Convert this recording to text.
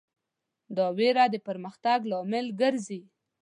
دا وېره د پرمختګ لامل ګرځي.